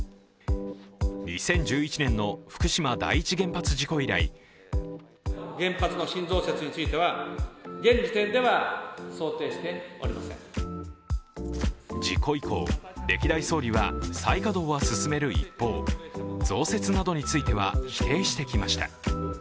２０１１年の福島第一原発事故以来事故以降、歴代総理は再稼働は進める一方増設などについては否定してきました。